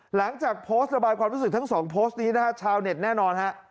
หลังจากโพสต์ระบายความรู้สึกทั้งสองโพสต์นี้นะฮะชาวเน็ตแน่นอนฮะ